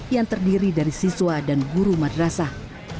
yang terdiri dari siswa dan guru madrasah